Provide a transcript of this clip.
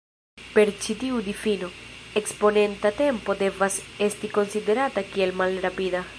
Per ĉi tiu difino, eksponenta tempo devas esti konsiderata kiel malrapida.